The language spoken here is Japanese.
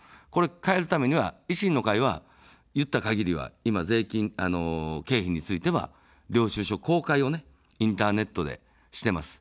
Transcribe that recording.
変えるためには維新の会は言った限りは、今、経費については、領収書公開をインターネットでしています。